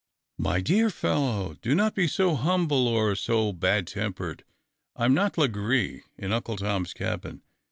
" My dear fellow, do not be so humble or so bad tempered. I am not Legree in ' Uncle Tom's Cabin.'